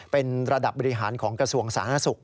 เป็นระดับบริหารของกระทรวงสาธารณสุข